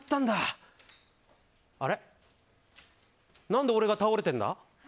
何で俺が倒れてるんだ？